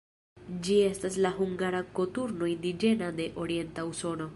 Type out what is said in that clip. Ĝi estas la ununura koturno indiĝena de orienta Usono.